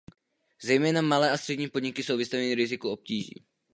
Zejména malé a střední podniky jsou vystaveny riziku obtíží.